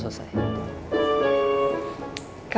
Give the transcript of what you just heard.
seenggaknya aku nemenin kamu deh